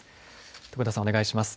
徳田さん、お願いします。